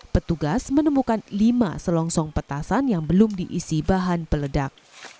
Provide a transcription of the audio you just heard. petugas menemukan lima selongsong petasan yang belum diisi bahan peledak